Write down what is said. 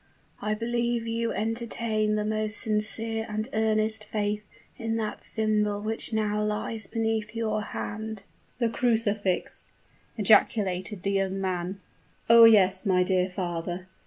I believe you entertain the most sincere and earnest faith in that symbol which now lies beneath your hand." "The crucifix!" ejaculated the young man. "Oh, yes, my dear father!